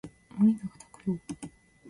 森永卓郎